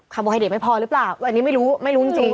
โบไฮเดตไม่พอหรือเปล่าอันนี้ไม่รู้ไม่รู้จริง